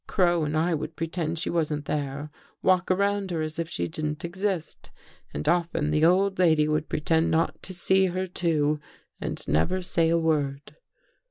Crow and I would pretend she wasn't there — walk 248 THE THIRD CONFESSION around her as if she didn't exist. And often the old lady would pretend not to see her too and never say a word.